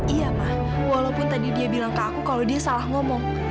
iya pak walaupun tadi dia bilang ke aku kalau dia salah ngomong